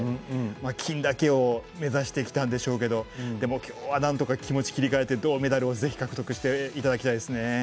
金だけを目指してきたんでしょうがでも、きょうはなんとか気持ちを切り替えて銅メダルをぜひ獲得していただきたいですね。